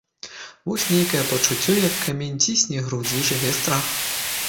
Вось нейкае пачуццё, як камень, цісне грудзі, і жыве страх.